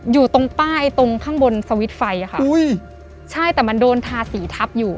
อยู่ตรงป้ายตรงข้างบนสวิตช์ไฟอะค่ะอุ้ยใช่แต่มันโดนทาสีทับอยู่